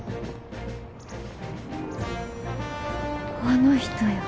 あの人や。